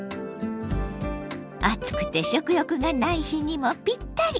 暑くて食欲がない日にもぴったり！